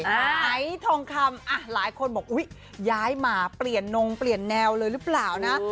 หายทองคำหลายคนบอกอุ๊ยย้ายมาเปลี่ยนนงเปลี่ยนแนวเลยหรือเปล่านะ